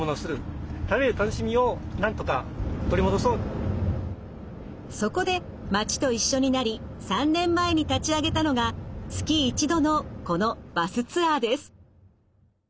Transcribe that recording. その一方でそこで町と一緒になり３年前に立ち上げたのが月一度のこのバスツアーです。